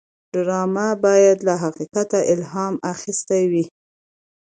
ډرامه باید له حقیقت الهام اخیستې وي